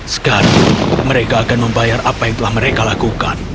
sekarang mereka akan membayar apa yang telah mereka lakukan